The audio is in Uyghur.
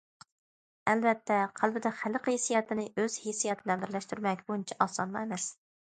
ئەلۋەتتە قەلبىدە خەلق ھېسسىياتىنى ئۆز ھېسسىياتى بىلەن بىرلەشتۈرمەك ئۇنچە ئاسانمۇ ئەمەس.